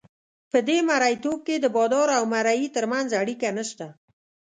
په دې مرییتوب کې د بادار او مریي ترمنځ اړیکه نشته.